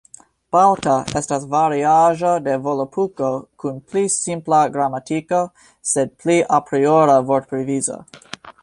Balta estas variaĵo de Volapuko kun pli simpla gramatiko, sed pli apriora vortprovizo.